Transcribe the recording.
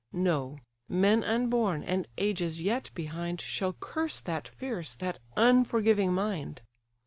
No—men unborn, and ages yet behind, Shall curse that fierce, that unforgiving mind.